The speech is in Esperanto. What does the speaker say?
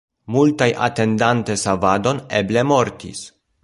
Multaj atendante savadon eble mortis.